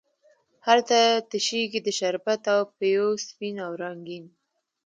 هلته تشیږې د شربت او پېو سپین او رنګین،